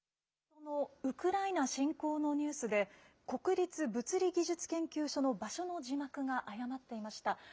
先ほどのウクライナ侵攻のニュースで、国立物理技術研究所の場所の字幕が誤っていました。